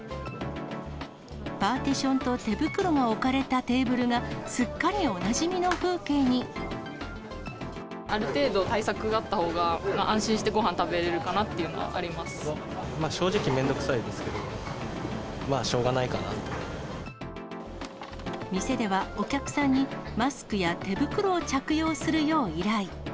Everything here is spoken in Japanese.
パーティションと手袋が置かれたテーブルがすっかりおなじみの風ある程度、対策があったほうが安心してごはん食べれるかなっていうのはあり正直、面倒くさいですけど、店では、お客さんにマスクや手袋を着用するよう依頼。